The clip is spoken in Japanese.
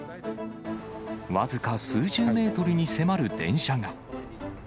僅か数十メートルに迫る電車が。